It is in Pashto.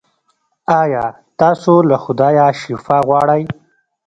ایا تاسو له خدایه شفا غواړئ؟